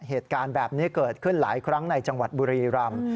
เหตุการณ์แบบนี้เกิดขึ้นหลายครั้งในจังหวัดบุรีรำ